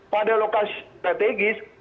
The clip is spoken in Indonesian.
pada lokasi strategis